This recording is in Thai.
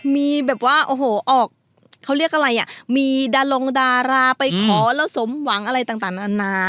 มีแบบว่าโอ้โหออกเขาเรียกอะไรอ่ะมีดารงดาราไปขอแล้วสมหวังอะไรต่างนานา